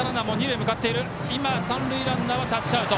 三塁ランナーはタッチアウト。